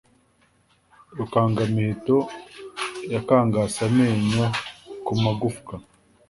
Rukangamiheto yakangase amenyo ku magufwa